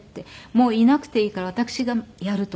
もういなくていいから私がやると。